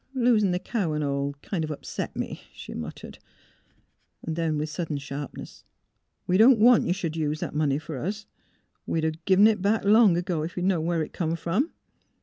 '' Losin' th' cow an' all kind o' upset me," she muttered. Then, with sudden sharpness, '' We don't want you sh'd use that money for us. We'd a gin it back long ago, if we'd knowed where it come f'om.